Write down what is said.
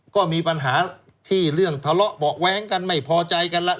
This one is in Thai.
ก็มีปัญหาที่เรื่องทะเลาะเบาะแว้งกันไม่พอใจกันแล้ว